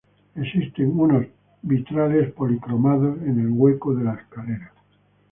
Existen unos vitrales policromados en el hueco de la escalera.